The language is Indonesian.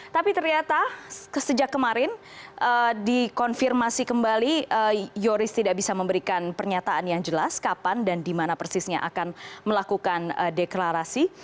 tapi ternyata sejak kemarin dikonfirmasi kembali yoris tidak bisa memberikan pernyataan yang jelas kapan dan di mana persisnya akan melakukan deklarasi